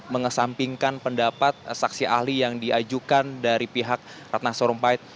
mengesampingkan pendapat saksi ahli yang diajukan dari pihak ratna sarumpait